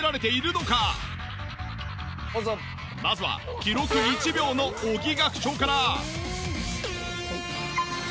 本当にまずは記録１秒の尾木学長から。